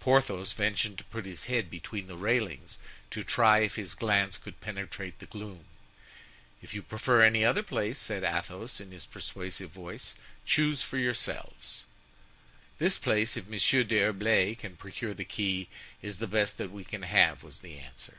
Porthos ventured to put his head between the railings, to try if his glance could penetrate the gloom. "If you prefer any other place," said Athos, in his persuasive voice, "choose for yourselves." "This place, if Monsieur d'Herblay can procure the key, is the best that we can have," was the answer.